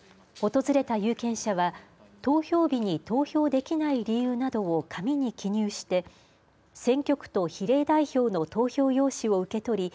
訪れた有権者は投票日に投票できない理由などを紙に記入して選挙区と比例代表の投票用紙を受け取り